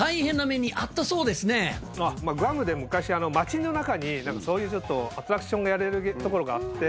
グアムで昔街の中にそういうアトラクションがやれる所があって。